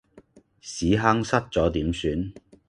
屎坑塞左點算？